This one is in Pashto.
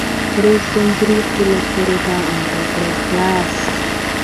رئیس جمهور خپلو عسکرو ته امر وکړ؛ خلاص!